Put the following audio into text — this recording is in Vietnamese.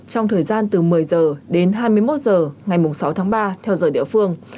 trong thời gian từ một mươi h đến hai mươi một h ngày sáu tháng ba theo giờ địa phương